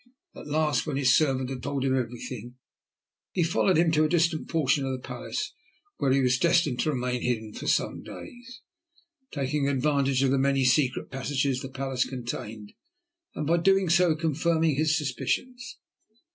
At last, when his servant had told him everything, he followed him to a distant portion of the palace, where he was destined to remain hidden for some days, taking advantage of the many secret passages the palace contained, and by so doing confirming his suspicions.